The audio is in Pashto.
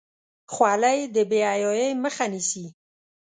خولۍ د بې حیايۍ مخه نیسي.